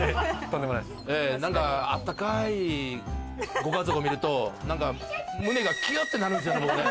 何か、あったかいご家族を見るとなんか胸がキュっとなるんですよね。